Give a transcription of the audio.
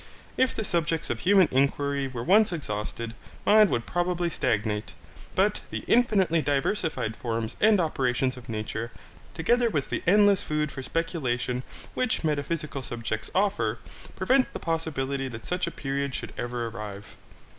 If the subjects of human inquiry were once exhausted, mind would probably stagnate; but the infinitely diversified forms and operations of nature, together with the endless food for speculation which metaphysical subjects offer, prevent the possibility that such a period should ever arrive.